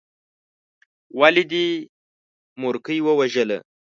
ولې دې مورکۍ ووژله.